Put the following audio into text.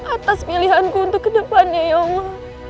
atas pilihanku untuk kedepannya ya allah